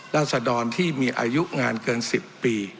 ราศดรที่มีอายุงานเกิน๑๐ปี